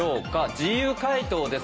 自由回答です。